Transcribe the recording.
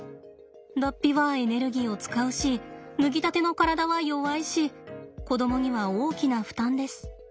脱皮はエネルギーを使うし脱ぎたての体は弱いし子どもには大きな負担です。